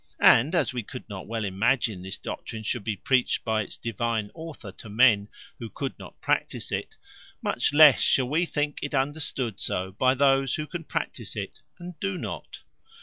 And, as we could not well imagine this doctrine should be preached by its Divine Author to men who could not practise it, much less should we think it understood so by those who can practise it, and do not.